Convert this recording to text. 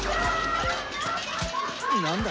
・何だ？